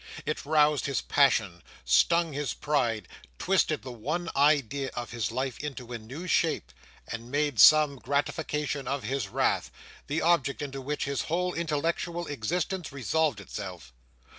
It roused his passion, stung his pride, twisted the one idea of his life into a new shape, and made some gratification of his wrath, the object into which his whole intellectual existence resolved itself.